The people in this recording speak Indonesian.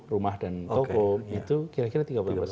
rumah dan toko itu kira kira